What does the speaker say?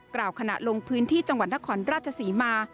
กล่าวขณะลงพื้นที่จังหวัดนครราชศรีมา